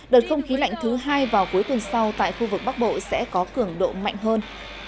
đợt không khí lạnh thứ hai vào cuối tuần sau tại khu vực bắc bộ sẽ có cường độ mạnh hơn